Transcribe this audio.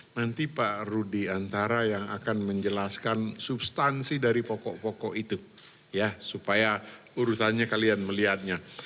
nanti pak rudi antara yang akan menjelaskan substansi dari pokok pokok itu ya supaya urusannya kalian melihatnya